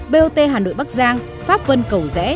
bot hà nội bắc giang pháp vân cầu rẽ